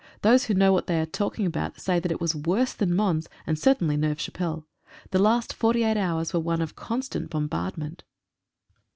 Those who know what they are talking about say that it was worse than Mons. and certainly Neuve Chapelle. The last forty eight hours were one constant bombardment.